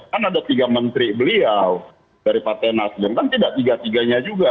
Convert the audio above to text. kan ada tiga menteri beliau dari partai nasdem kan tidak tiga tiganya juga